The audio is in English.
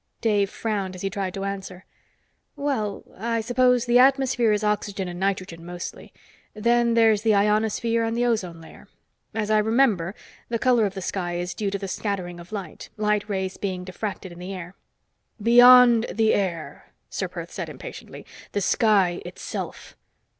Dave frowned as he tried to answer. "Well, I suppose the atmosphere is oxygen and nitrogen, mostly; then there's the ionosphere and the ozone layer. As I remember, the color of the sky is due to the scattering of light light rays being diffracted in the air." "Beyond the air," Ser Perth said impatiently. "The sky itself!"